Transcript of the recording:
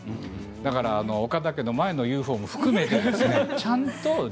だから岡田家の前のＵＦＯも含めてです。